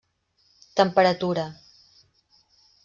Temperatura: